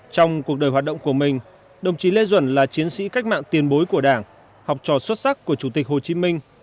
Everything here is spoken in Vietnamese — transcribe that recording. trong cuộc đời hoạt động của mình đồng chí lê duẩn là chiến sĩ cách mạng tiền bối của đảng học trò xuất sắc của chủ tịch hồ chí minh